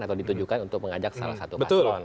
atau ditujukan untuk mengajak salah satu paslon